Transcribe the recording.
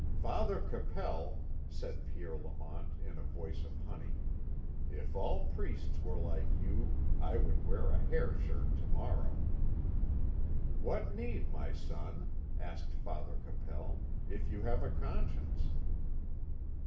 "Father Capel," said Pierre Lamont in a voice of honey, "if all priests were like you, I would wear a hair shirt to morrow." "What need, my son," asked Father Capel, "if you have a conscience?"